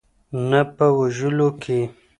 نه په وژلو کې.